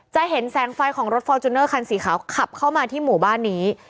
จะเห็นแสงไฟของรถฟอร์จูเนอร์คันสีขาวขับเข้ามาที่หมู่บ้านนี้